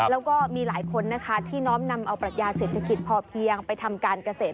แล้วก็มีหลายคนนะคะที่น้อมนำเอาปรัชญาเศรษฐกิจพอเพียงไปทำการเกษตร